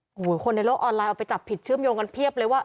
โอ้โหคนในโลกออนไลน์เอาไปจับผิดเชื่อมโยงกันเพียบเลยว่า